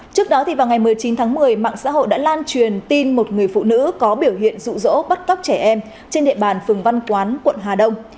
trước đó vào ngày một mươi chín tháng một mươi mạng xã hội đã lan truyền tin một người phụ nữ có biểu hiện rụ rỗ bắt cóc trẻ em trên địa bàn phường văn quán quận hà đông